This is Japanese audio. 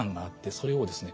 それをですね